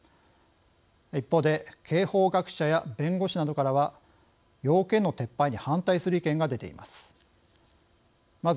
一方で、刑法学者や弁護士などからは要件の撤廃に反対する意見が出ています。